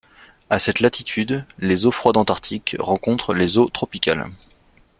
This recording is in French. À cette latitude, les eaux froides antarctiques rencontrent les eaux tropicales.